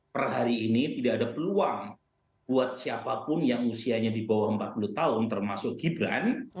per hari ini tidak ada peluang buat siapapun yang usianya di bawah empat puluh tahun termasuk gibran